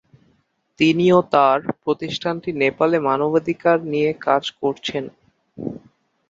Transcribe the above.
তিনি ও তার প্রতিষ্ঠানটি নেপালে মানবাধিকার নিয়ে কাজ করছেন।